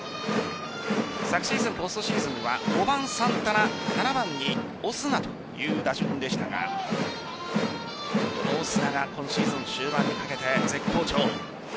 昨シーズンポストシーズンは５番・サンタナ７番にオスナという打順でしたがこのオスナが今シーズンの終盤にかけて絶好調。